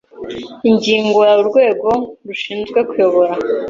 Ingingo ya Urwego rushinzwe kuyobora